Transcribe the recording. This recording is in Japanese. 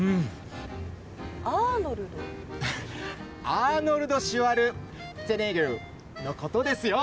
アーノルド・シュワルツェネッガーのことですよ！